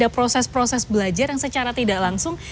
proses proses belajar yang secara tidak langsung